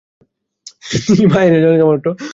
তিনি বাহিরে যান কেবলমাত্র কাজ করিতে।